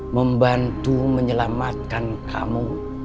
membantu menyelamatkan kamu